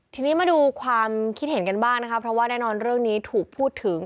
ทีนี้มาดูความคิดเห็นกันบ้างนะคะเพราะว่าแน่นอนเรื่องนี้ถูกพูดถึง